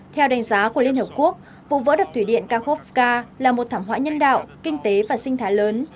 theo đánh giá của liên hợp quốc vụ vỡ đập thủy điện kahovca là một thảm họa nhân đạo kinh tế và sinh thái lớn